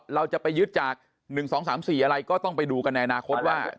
เราจะไปยึดจาก๑๒๓๔อะไรก็ต้องไปดูกันในอนาคตว่า